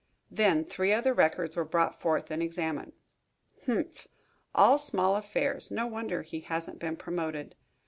Then three other records were brought forth and examined. "Humph! all small affairs. No wonder he hasn't been promoted.